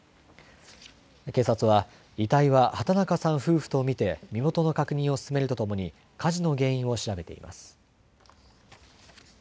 警察は遺体は畑中さん夫婦と見て身元の確認を進めるとともに火事の原因を調べています。